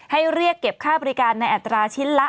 เรียกเก็บค่าบริการในอัตราชิ้นละ